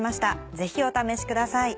ぜひお試しください。